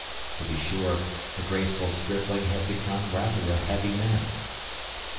To be sure, the graceful stripling had become rather a heavy man.